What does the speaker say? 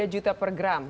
tiga juta per gram